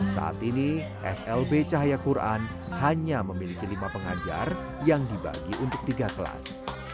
saat ini slb cahaya quran hanya memiliki lima pengajar yang dibagi untuk tiga kelas